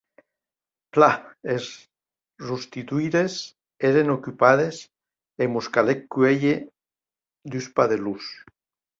Plan, es rostidoires èren ocupades e mos calèc cuélher dus padelons.